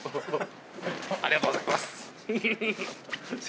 ありがとうございます。